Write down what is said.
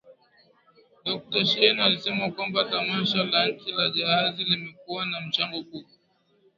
Dokta Shein alisema kwamba Tamasha la Nchi za jahazi limekuwa na mchango mkubwa